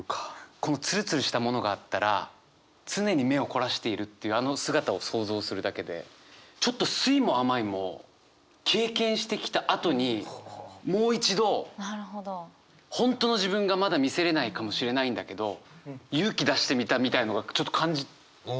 このツルツルしたものがあったら常に目を凝らしているっていうあの姿を想像するだけでちょっと酸いも甘いも経験してきたあとにもう一度本当の自分がまだ見せれないかもしれないんだけど勇気出してみたみたいのがちょっと感じ取れる。